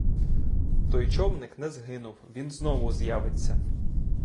Той човник не згинув, він знову з'явиться.